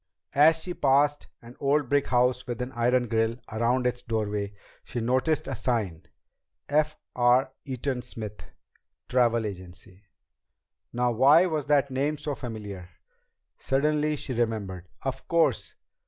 As she passed an old brick house with an iron grill around its doorway, she noticed a sign: F. R. EATON SMITH TRAVEL AGENCY. Now why was that name so familiar? Suddenly she remembered. Of course!